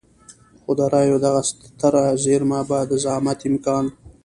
خو د رايو دغه ستره زېرمه به د زعامت امکان.